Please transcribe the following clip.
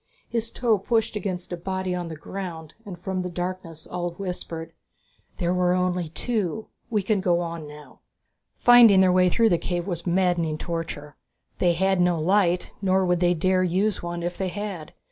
His toe pushed against a body on the ground and from the darkness Ulv whispered, "There were only two. We can go on now." Finding their way through the cave was a maddening torture. They had no light, nor would they dare use one if they had.